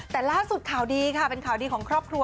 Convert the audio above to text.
แต่ล่าสุดข่าวดีค่ะเป็นข่าวดีของครอบครัว